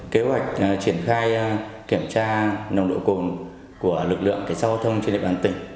kế hoạch triển khai kiểm tra nồng độ cồn của lực lượng giao thông trên địa bàn tỉnh